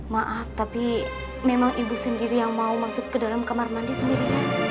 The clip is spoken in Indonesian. maaf tapi memang ibu sendiri yang mau masuk ke dalam kamar mandi sendiri